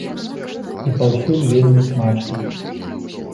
І паўсюль вельмі смачна.